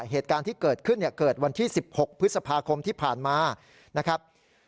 เหตุการณ์ที่เกิดขึ้นเกิดวันที่๑๖พฤษภาคมที่ผ่านมานะครับ